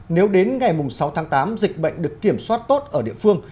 nếu đến ngày sáu tháng tám dịch bệnh được kiểm soát tốt ở địa phương